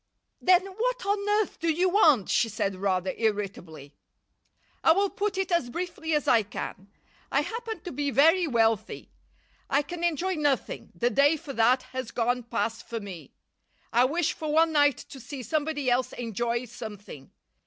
"Then what on earth do you want?" she said rather irritably. "I will put it as briefly as I can. I happen to be very wealthy. I can enjoy nothing the day for that has gone past for me. I wish for one night to see somebody else enjoy something.